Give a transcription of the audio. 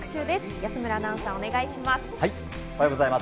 安村アナウンサー、お願いします。